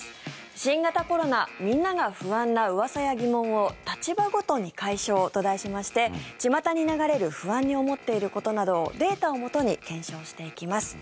新型コロナみんなが不安なうわさや疑問を立場ごとに解消と題しましてちまたに流れる不安に思っていることなどをデータをもとに検証していきます。